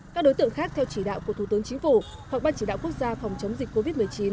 các đối tượng khác theo chỉ đạo của thủ tướng chính phủ hoặc ban chỉ đạo quốc gia phòng chống dịch covid một mươi chín